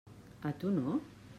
A tu no?